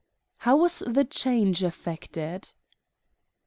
"And how was the change effected?"